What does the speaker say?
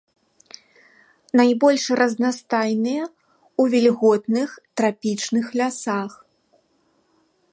Найбольш разнастайныя ў вільготных трапічных лясах.